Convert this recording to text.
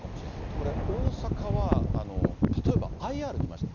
これ、大阪は例えばＩＲ来ましたと。